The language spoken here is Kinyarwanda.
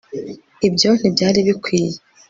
ibyo ntibyari bikwiye